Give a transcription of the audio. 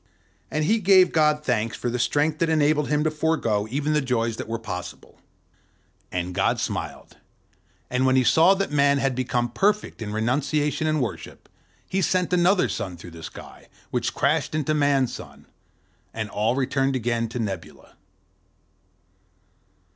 And he gave God thanks for the strength that enabled him to forgo even the joys that were possible. And God smiled: and when he saw that Man had become perfect in renunciation and worship, he sent another sun through the sky, which crashed into Man's sun; and all returned again to nebula.